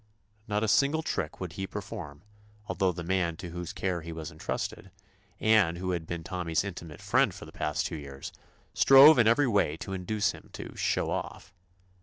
Not a single trick would he perform, although the man to whose care he was intrusted, and who had been Tommy's intimate friend for the past two years, strove in every way to induce him to "show off."